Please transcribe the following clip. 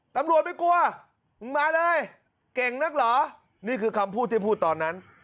ตำรวจไม่กลัวมึงมาเลยเก่งนักเหรอนี่คือคำพูดที่พูดตอนนั้น